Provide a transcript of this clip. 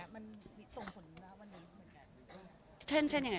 บางทีเค้าแค่อยากดึงเค้าต้องการอะไรจับเราไหล่ลูกหรือยังไง